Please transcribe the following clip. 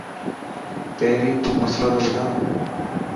پهرين تو مصلو ته ٻڌا.